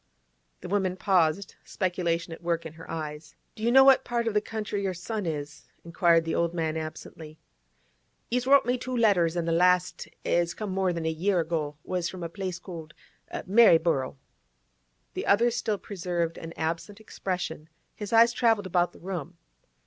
The woman paused, speculation at work in her eyes. 'Do you know in what part of the country your son is?' inquired the old man absently. 'He's wrote me two letters, an' the last, as come more than a year ago, was from a place called Maryborough.' The other still preserved an absent expression; his eyes travelled about the room.